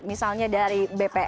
misalnya dari bpn